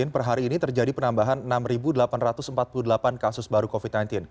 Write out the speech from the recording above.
per hari ini terjadi penambahan enam delapan ratus empat puluh delapan kasus baru covid sembilan belas